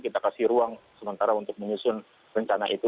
kita kasih ruang sementara untuk menyusun rencana itu